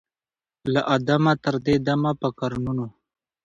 له آدمه تر دې دمه په قرنونو